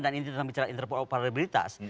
dan ini dalam bicara interoperabilitas